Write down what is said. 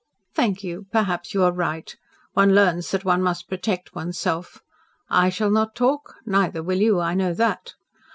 "Thank you. Perhaps you are right. One learns that one must protect one's self. I shall not talk neither will you. I know that.